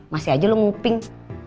masih aja lu nguping